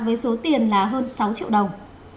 với số tiền là hơn sáu triệu đồng